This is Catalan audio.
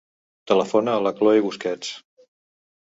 Telefona a la Chloé Busquets.